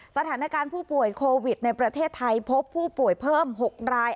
สถานการณ์ผู้ป่วยโควิดในประเทศไทยพบผู้ป่วยเพิ่ม๖ราย